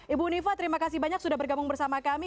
ibu unifa terima kasih banyak sudah bergabung bersama kami